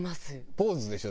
ポーズでしょ？